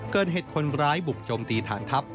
เกิดเหตุคนร้ายบุกโจมตีฐานทัพ